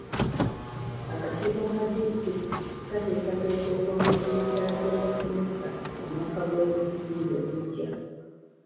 Akakiiko ka disitulikiti kateekateeka okwongeza emisaala gy'abasomesa omwaka gw'ebyensimbi ogujja.